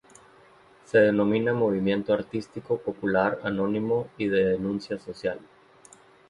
Se denomina movimiento artístico, popular, anónimo y de denuncia social.